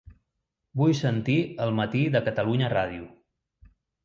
Vull sentir El matí de Catalunya Ràdio.